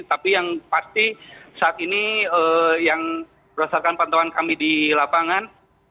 tapi yang pasti saat ini yang berdasarkan pantauan kami di lapangan